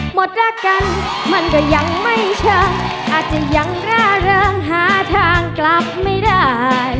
หมดรักกันมันก็ยังไม่ใช่อาจจะยังร่าเริงหาทางกลับไม่ได้